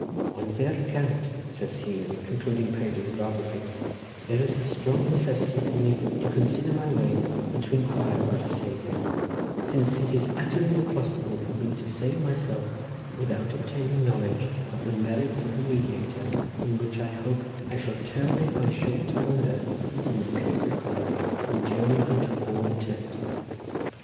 "On their account," says he, in the concluding page of his biography, "there is a strong necessity for me to consider my ways, and to inquire about a Saviour, since it is utterly impossible for me to save myself without obtaining knowledge of the merits of the Mediator, in which I hope I shall terminate my short time on earth in the peace of God enduring unto all eternity."